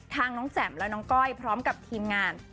น้องแจ่มและน้องก้อยพร้อมกับทีมงาน